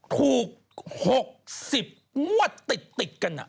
ถูกหกสิบงวดติดกันอะ